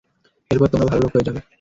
এরপর তোমরা ভাল লোক হয়ে যাবে।